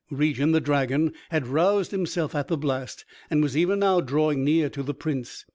Regin, the dragon, had roused himself at the blast, and was even now drawing near to the Prince.